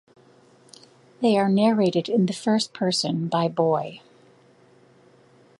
They are narrated in the first person by Boy.